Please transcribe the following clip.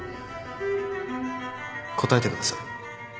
答えてください。